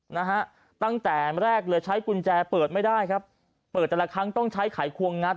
นะฮะตั้งแต่แรกเลยใช้กุญแจเปิดไม่ได้ครับเปิดแต่ละครั้งต้องใช้ไขควงงัด